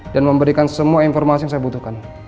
dan memberikan semua informasi yang saya butuhkan